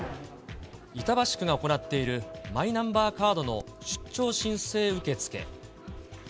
板橋区が行っているマイナンバーカードの出張申請受付。